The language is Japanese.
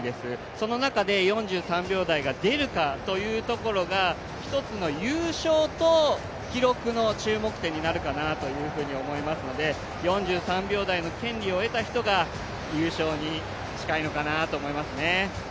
その中で４３秒台が出るかというところが一つの優勝と記録の注目点になるかなと思いますので４３秒台の権利を得た人が優勝に近いのかなと思いますね。